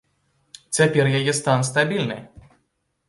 Цяпер яе стан стабільны.